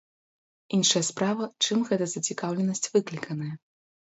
Іншая справа, чым гэта зацікаўленасць выкліканая.